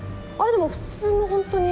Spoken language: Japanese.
でも普通のホントに。